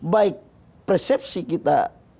baik persepsi kita